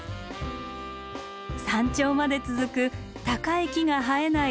山頂まで続く高い木が生えない